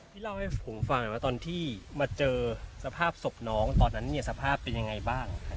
เล่าให้ผมฟังหน่อยว่าตอนที่มาเจอสภาพศพน้องตอนนั้นเนี่ยสภาพเป็นยังไงบ้าง